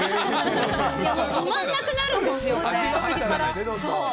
止まんなくなるんですよ。